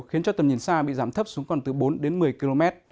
khiến cho tầm nhìn xa bị giảm thấp xuống còn từ bốn đến một mươi km